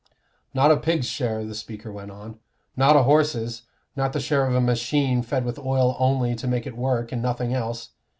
"Not a pig's share," the speaker went on, "not a horse's, not the share of a machine fed with oil only to make it work and nothing else.